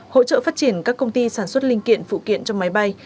hỗ trợ phát triển các công ty sản xuất linh kiện phụ kiện cho máy bay